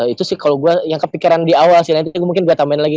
itu sih kalau gue yang kepikiran di awal sih nanti gue mungkin gue tambahin lagi